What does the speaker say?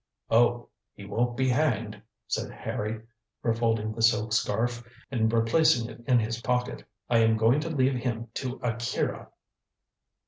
"Oh, he won't be hanged!" said Harry, refolding the silk scarf and replacing it in his pocket. "I am going to leave him to Akira."